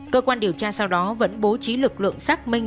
cơ quan điều tra sau đó vẫn bố trí lực lượng xác minh